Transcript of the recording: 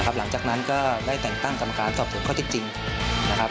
หลังจากนั้นก็ได้แต่งตั้งกรรมการสอบส่วนข้อที่จริงนะครับ